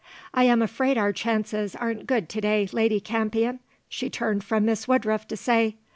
"I am afraid our chances aren't good to day, Lady Campion," she turned from Miss Woodruff to say.